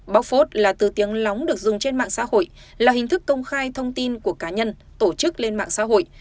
bóc phốt là từ tiếng lóng được dùng trên mạng xã hội là hình thức công khai thông tin của cá nhân tổ chức lên mạng xã hội